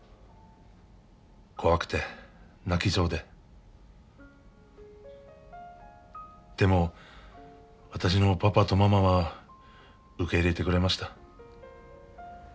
怖くて泣きそうででも私のパパとママは受け入れてくれました。